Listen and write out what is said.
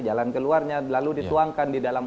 jalan keluarnya lalu dituangkan di dalam